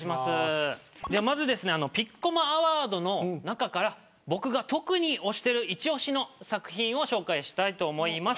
まずピッコマＡＷＡＲＤの中から僕が特に推している一推しの作品を紹介したいと思います。